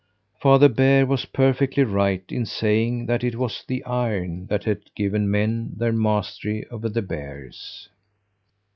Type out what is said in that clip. Father Bear was perfectly right in saying that it was the iron that had given men their mastery over the bears.